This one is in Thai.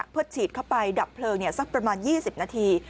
เพื่อฉีดเข้าไปดับเพลิงสักประมาณ๒๐นาที